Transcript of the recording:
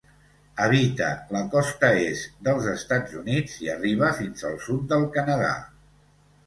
Habita la costa est dels Estats Units i arriba fins al sud del Canadà.